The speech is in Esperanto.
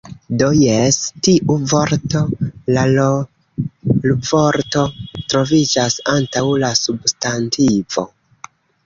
Do jes. Tiu vorto, la rolvorto troviĝas antaŭ la substantivo